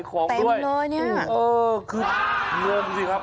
แต่มีเงินนี้เออคือเงินสิครับ